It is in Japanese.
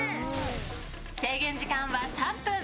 制限時間は３分。